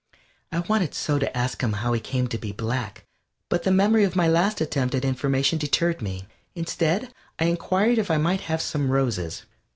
I wanted so to ask him how he came to be black, but the memory of my last attempt at information deterred me. Instead, I inquired if I might have some roses.